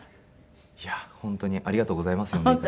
いや本当にありがとうございます呼んで頂いて。